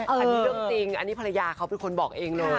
อันนี้เรื่องจริงอันนี้ภรรยาเขาเป็นคนบอกเองเลย